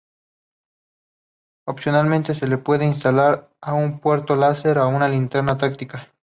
Opcionalmente, se le puede instalar un puntero láser o una linterna táctica.